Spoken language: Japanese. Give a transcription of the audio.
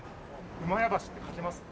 「うまやばし」って書けますか？